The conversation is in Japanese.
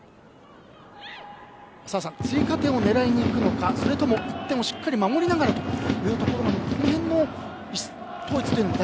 澤さん、追加点を狙いにいくのかそれとも１点をしっかりと守りながらというところなのか